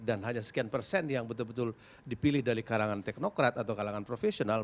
dan hanya sekian persen yang betul betul dipilih dari kalangan teknokrat atau kalangan profesional